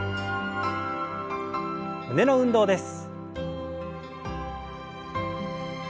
胸の運動です。